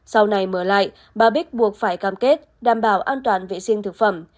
sau này mở lại bà bích buộc phải cam kết đảm bảo an toàn vệ sinh thực phẩm